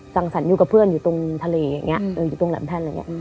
สั่งสั่นอยู่กับเพื่อนอยู่ตรงทะเลอย่างนี้